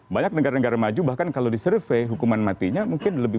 banyak negara negara maju bahkan kalau disurvey hukuman matinya mungkin lebih